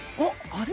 あれ？